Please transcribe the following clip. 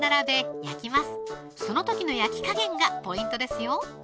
その時の焼き加減がポイントですよ